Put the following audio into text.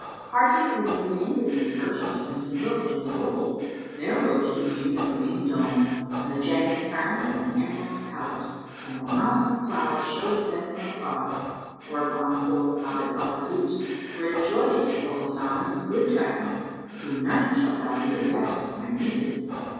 Hardly had he made an end of these verses, when he looked and behold, there rose to view the Green Dome[FN#179] and the jetting Fount and the Emerald Palace, and the Mountain of Clouds showed to them from afar; whereupon quoth Abd al Kaddus, "Rejoice, O Hasan, in good tidings: to night shalt thou be the guest of my nieces!"